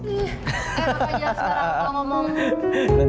emang aja sekarang aku mau ngomong